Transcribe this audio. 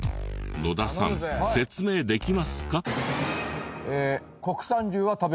野田さん説明できますか？